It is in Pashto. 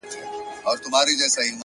ستا ټولي كيسې لوستې”